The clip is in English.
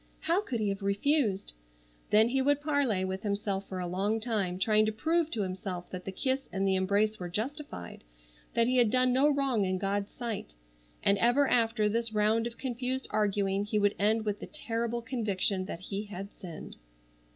How could he have refused? Then he would parley with himself for a long time trying to prove to himself that the kiss and the embrace were justified, that he had done no wrong in God's sight. And ever after this round of confused arguing he would end with the terrible conviction that he had sinned.